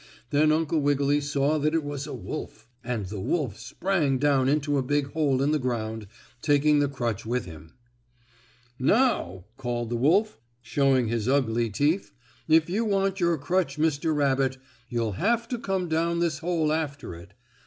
Then Uncle Wiggily saw that it was a wolf, and the wolf sprang down into a big hole in the ground, taking the crutch with him. "Now," called the wolf, showing his ugly teeth, "if you want your crutch, Mr. Rabbit, you'll have to come down this hole after it.